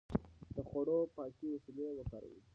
د خوړو پاکې وسيلې وکاروئ.